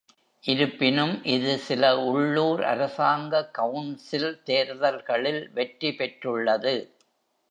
இருப்பினும், இது சில உள்ளூர் அரசாங்க கவுன்சில் தேர்தல்களில் வெற்றிபெற்றுள்ளது.